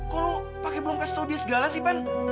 kok lo pake belum kasih tau dia segala sih pan